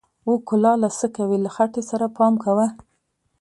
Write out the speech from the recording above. و کلاله څه کوې، له خټې سره پام کوه!